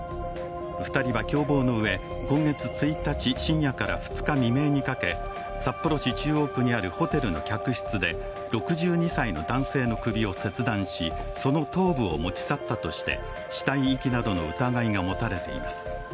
２人は共謀のうえ、今月１日深夜から２日未明にかけ、札幌中央区にあるホテルの客室で６２歳の男性の首を切断しその頭部を持ち去ったとして、死体遺棄などの疑いが持たれています。